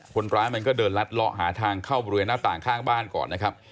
คนร้ายมันก็เดินลัดเลาะหาทางเข้าบริเวณหน้าต่างข้างบ้านก่อนนะครับ